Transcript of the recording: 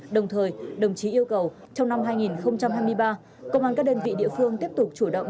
đồng thời đồng chí yêu cầu trong năm hai nghìn hai mươi ba công an các đơn vị địa phương tiếp tục chủ động